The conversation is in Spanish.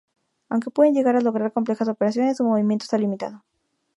Aunque pueden llegar a lograr complejas operaciones, su movimiento está limitado.